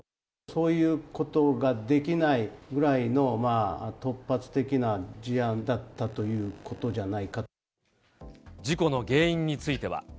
そういうことができないぐらいの突発的な事案だったということじ事故の原因については。